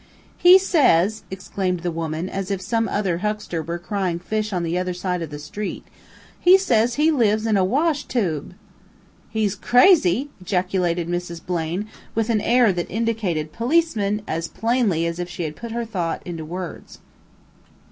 "He says," exclaimed the woman, as if some other huckster were crying fish on the other side of the street "he says he lives in a wash toob." "He's crazy!" ejaculated Mrs. Blaine, with an air that indicated "policeman" as plainly as if she had put her thought into words.